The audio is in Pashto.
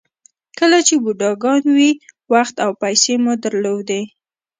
کله چې بوډاګان وئ وخت او پیسې مو درلودې.